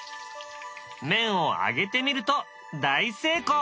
麺を揚げてみると大成功。